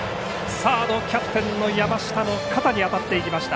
サードキャプテンの山下の肩に当たっていきました。